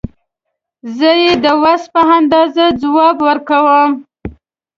زه یې د وس په اندازه ځواب ورکوم.